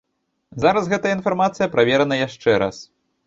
Зараз гэтая інфармацыя праверана яшчэ раз.